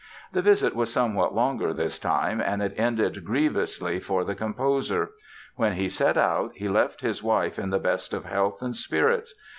The visit was somewhat longer this time and it ended grievously for the composer. When he set out he left his wife in the best of health and spirits.